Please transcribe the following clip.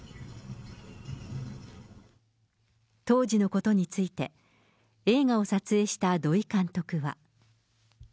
当時のことについて、映画を撮影した土居監督は。